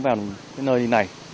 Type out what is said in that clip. vào nơi này